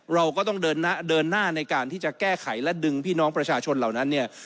เราก็ต้องเดินหน้าในการที่จะแก้ไขและดึงพี่น้องประชาชนเหล่านั้นเนี่ย